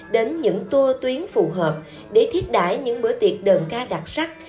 đến những tua tuyến phù hợp để thiết đải những bữa tiệc đơn ca đặc sắc